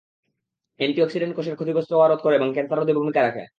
Antioxidant কোষের ক্ষতিগ্রস্ত হওয়া রোধ করে এবং ক্যানসার রোধে ভূমিকা রাখে।